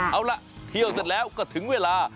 เอาล่ะเที่ยวเสร็จแล้วก็ถึงเวลา